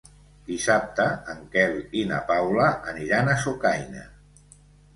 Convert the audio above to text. Dissabte en Quel i na Paula aniran a Sucaina.